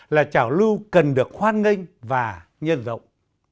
là trảo lưu cần được hoan nghênh và nhân rộng